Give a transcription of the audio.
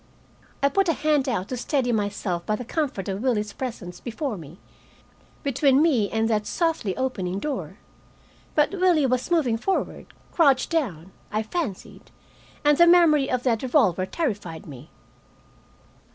I put a hand out to steady myself by the comfort of Willie's presence before me, between me and that softly opening door. But Willie was moving forward, crouched down, I fancied, and the memory of that revolver terrified me.